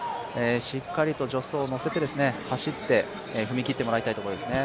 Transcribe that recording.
しっかりと助走を乗せて走って、踏み切ってもらいたいところですね。